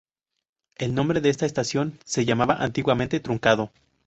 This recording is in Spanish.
El nombre de esta estación, se llamaba antiguamente Truncado.